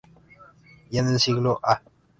Ya en el siglo a.